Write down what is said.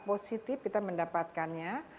positif kita mendapatkannya